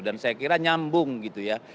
saya kira nyambung gitu ya